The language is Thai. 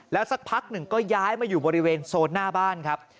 สักพักหนึ่งก็ย้ายมาอยู่บริเวณโซนหน้าบ้านครับ